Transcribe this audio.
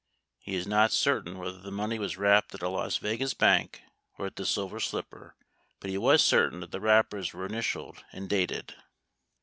He is not certain whether the money was wrapped at a Las Vegas bank or at the Silver Slipper, but he was certain that the wrappers were initialed and dated.